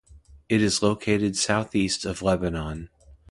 It is located southeast of Lebanon.